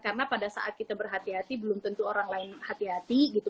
karena pada saat kita berhati hati belum tentu orang lain hati hati gitu